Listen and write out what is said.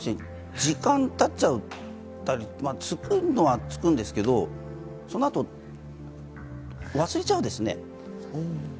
時間経っちゃったり、作るのは作るんですけど、そのあと忘れちゃうんですね。